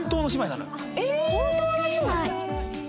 本当の姉妹！？